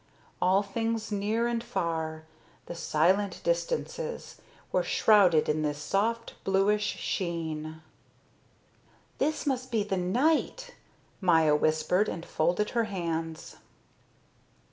All things near and far, the silent distances, were shrouded in this soft, bluish sheen. "This must be the night," Maya whispered and folded her hands.